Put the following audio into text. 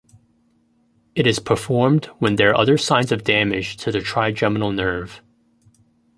It is performed when there are other signs of damage to the trigeminal nerve.